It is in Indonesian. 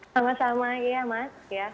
sama sama ya mas